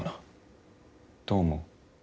どう思う？